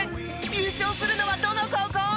優勝するのはどの高校？